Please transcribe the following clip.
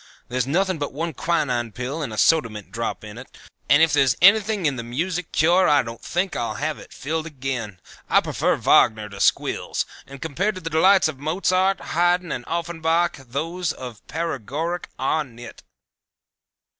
There's nothing but one quinine pill and a soda mint drop in it, and if there's anything in the music cure I don't think I'll have it filled again. I prefer Wagner to squills, and compared to the delights of Mozart, Hayden and Offenbach those of paregoric are nit."